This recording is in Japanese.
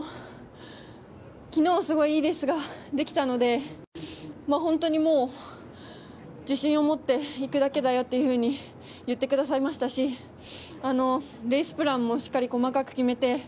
昨日すごいいいレースができたので本当に自信を持っていくだけだよというふうに言ってくださいましたしレースプランも細かく決めて。